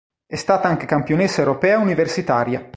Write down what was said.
È stata anche campionessa europea universitaria.